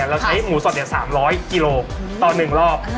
เราใช้หมูสดอย่าง๓๐๐กิโลกรัมต่อ๑รอบ